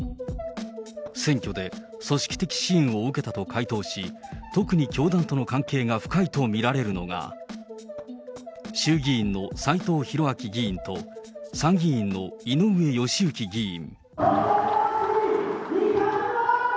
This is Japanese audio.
選挙で組織的支援を受けたと回答し、特に教団との関係が深いと見られるのが、衆議院の斎藤洋明議員と参議院の井上義行議員。